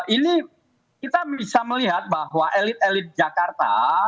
ini kita bisa melihat bahwa elit elit jakarta